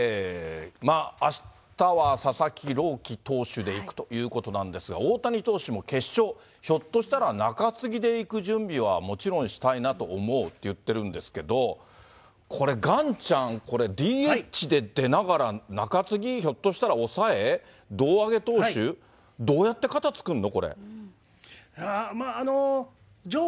あしたは佐々木朗希投手でいくということなんですが、大谷投手も決勝、ひょっとしたら中継ぎでいく準備はもちろんしたいなと思うって言ってるんですけど、これ、岩ちゃん、これ、ＤＨで出ながら、中継ぎ、ひょっとしたら、抑え、胴上げ投手、どうやって肩作るの？